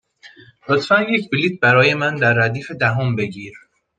لطفا یک بلیط برای من در ردیف دهم بگیر.